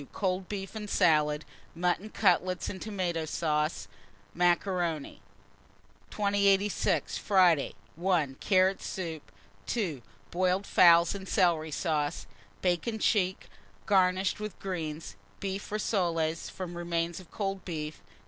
Cold beef and salad; mutton cutlets and tomata sauce. 3. Macaroni. 2086. Friday. 1. Carrot soup. 2. Boiled fowls and celery sauce; bacon check, garnished with greens; beef rissoles, from remains of cold beef.